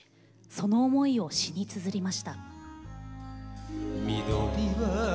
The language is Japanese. その思いを詞につづりました。